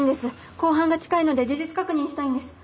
公判が近いので事実確認したいんです。